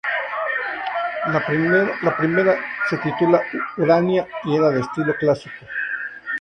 La primera se titulaba "Urania", y era de estilo clásico.